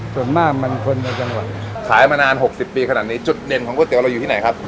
ส่วนมากมันคนในจังหวัดขายมานานหกสิบปีขนาดนี้จุดเด่นของก๋วเราอยู่ที่ไหนครับ